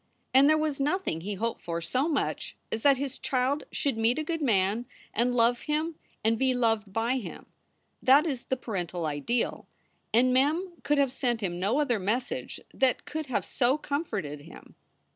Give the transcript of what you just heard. And there was nothing he hoped for so much as that his child should meet a good man and love him and be loved by him. That is the parental ideal, and Mem could have sent him no other mes sage that could have so comforted him.